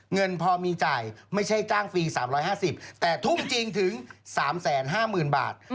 เงินพอมีจ่ายไม่ใช่จ้างฟรี๓๕๐แต่ทุ่มจริงถึง๓๕๐๐๐บาท